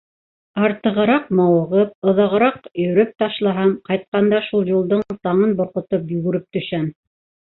Артығыраҡ мауығып, оҙағыраҡ йөйөп ташлаһам, ҡайтҡанда шул юлдың саңын борҡотоп йүгереп төшәм.